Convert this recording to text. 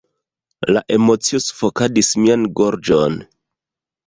La emocio sufokadas mian gorĝon.